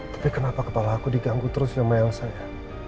tapi kenapa kepala aku diganggu terus sama elsa ya